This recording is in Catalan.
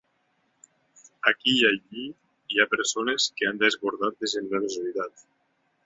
Aquí i allí, hi ha persones que han desbordat de generositat.